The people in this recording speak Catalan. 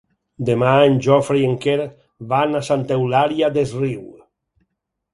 Demà en Jofre i en Quer van a Santa Eulària des Riu.